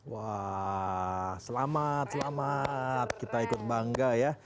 wah selamat selamat kita ikut bangga ya